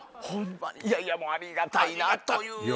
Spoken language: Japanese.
ホンマにいやいやもうありがたいなという。